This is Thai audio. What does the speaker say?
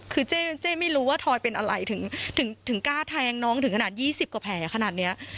คือเจ๊ไม่รู้ว่าทอยเป็นอะไรถึงกล้าแทงน้องถึงขนาด๒๐กว่าแผลขนาดนี้